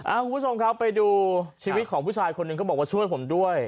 คุณผู้ชมครับไปดูชีวิตของผู้ชายคนหนึ่งก็บอกว่าช่วยผมด้วย